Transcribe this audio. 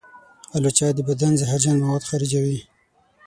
الوچه د بدن زهرجن مواد خارجوي.